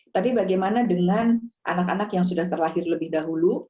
tapi bagaimana dengan anak anak yang sudah terlahir lebih dahulu